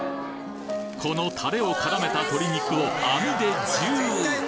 このタレをからめた鶏肉を網でジュー！